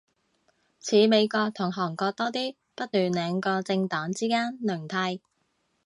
似美國同韓國多啲，不斷兩個政黨之間輪替